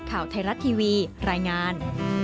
ข่าวไทยรัฐทีวีรายงาน